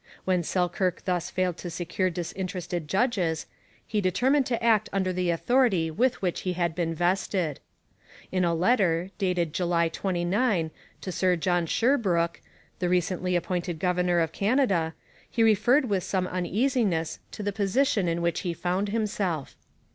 When Selkirk thus failed to secure disinterested judges, he determined to act under the authority with which he had been vested. In a letter, dated July 29, to Sir John Sherbrooke, the recently appointed governor of Canada, he referred with some uneasiness to the position in which he found himself.